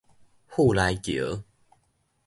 富來橋